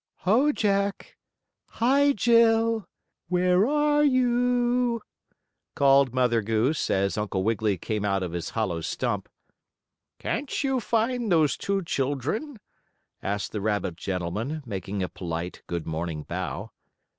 "Ho, Jack! Hi, Jill! Where are you?" called Mother Goose, as Uncle Wiggily came out of his hollow stump. "Can't you find those two children?" asked the rabbit gentleman, making a polite good morning bow.